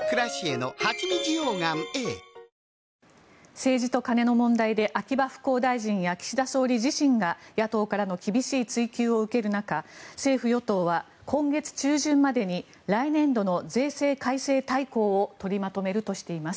政治と金の問題で秋葉復興大臣や岸田総理自身が野党からの厳しい追及を受ける中政府・与党は今月中旬までに来年度の税制改正大綱を取りまとめるとしています。